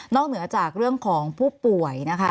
นอกเหนือจากเรื่องของผู้ป่วย